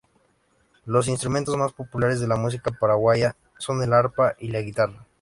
Los instrumentos más populares de la música paraguaya son el arpa y la guitarra.